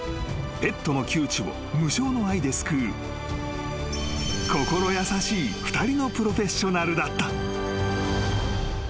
［ペットの窮地を無償の愛で救う心優しい２人のプロフェッショナルだった］